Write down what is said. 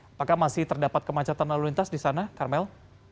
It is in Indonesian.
apakah masih terdapat kemacetan lalu lintas di sana karmel